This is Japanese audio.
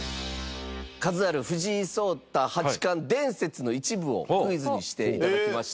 数ある藤井聡太八冠伝説の一部をクイズにして頂きました。